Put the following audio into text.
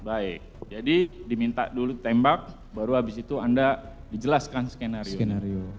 baik jadi diminta dulu ditembak baru habis itu anda dijelaskan skenario skenario